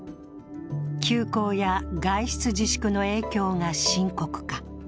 休校や外出自粛の影響が深刻化。